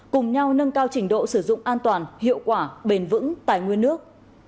cùng nhau nâng cao trình độ sử dụng an toàn hiệu quả bền vững tài nguyên nước